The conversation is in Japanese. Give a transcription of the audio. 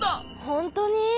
ほんとに？